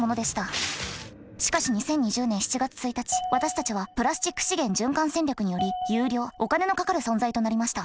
しかし２０２０年７月１日私たちはプラスチック資源循環戦略により有料お金のかかる存在となりました。